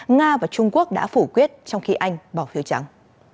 nga và trung quốc đã phủ quyết trong khi anh bỏ phiếu trắng